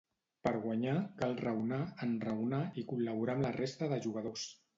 Per guanyar, cal raonar, enraonar i col·laborar amb la resta de jugadors.